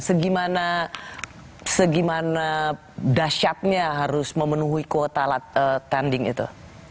segimana dasyatnya harus memenuhi kuota tanding itu